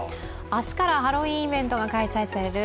明日からハロウィーンイベントが開催される